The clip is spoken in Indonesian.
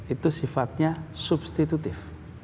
itu sifatnya substitutif